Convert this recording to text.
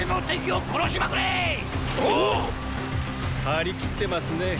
張り切ってますね